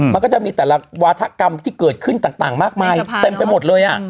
มันก็จะมีแต่ละวาธกรรมที่เกิดขึ้นต่างมากมายเต็มไปหมดเลย